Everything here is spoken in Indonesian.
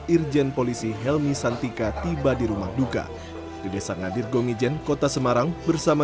irjen polisi helmi santika tiba di rumah duka di desa ngadir gongijen kota semarang bersama